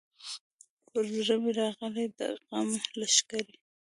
پر زړه مي راغلې د غم لښکري